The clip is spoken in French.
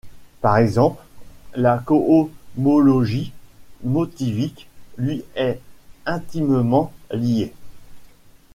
Par exemple, la cohomologie motivique lui est intimement liée.